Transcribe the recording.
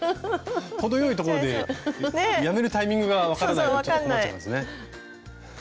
程よいところでやめるタイミングが分からないとちょっと困っちゃいますね。